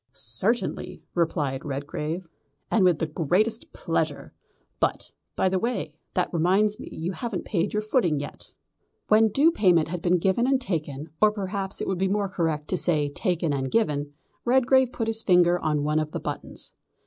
"Certainly," replied Redgrave, "and with the greatest pleasure but, by the way, that reminds me you haven't paid your footing yet." When due payment had been given and taken, or perhaps it would be more correct to say taken and given, Redgrave put his finger on one of the buttons.